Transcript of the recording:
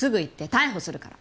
逮捕するから。